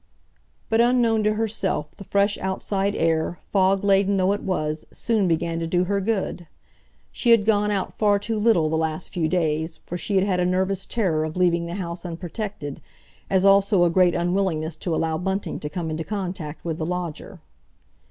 But, unknown to herself, the fresh outside air, fog laden though it was, soon began to do her good. She had gone out far too little the last few days, for she had had a nervous terror of leaving the house unprotected, as also a great unwillingness to allow Bunting to come into contact with the lodger.